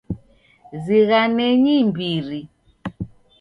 Zighanenyi imbiri.